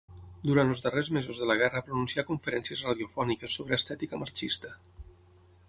Durant els darrers mesos de la guerra pronuncià conferències radiofòniques sobre estètica marxista.